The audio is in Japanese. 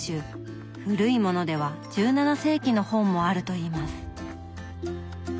古いものでは１７世紀の本もあるといいます。